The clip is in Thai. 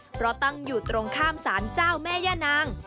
เพราะตั้งอยู่ตรงข้ามสารเจ้าแม่ย่านาง